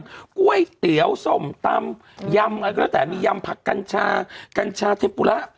ก๋วยเตี๋ยวส้มตำยำอะไรก็แล้วแต่มียำผักกัญชากัญชาเทมปุระ